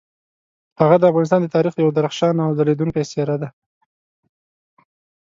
هغه د افغانستان د تاریخ یوه درخشانه او ځلیدونکي څیره ده.